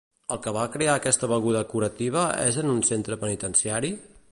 El que va crear aquesta beguda curativa és en un centre penitenciari?